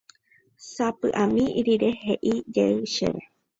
Sapy'ami rire he'ijey chéve.